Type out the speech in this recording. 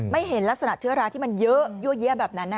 ไม่เห็นลักษณะเชื้อร้านที่มันเยอะเยอะแบบนั้นอ่ะ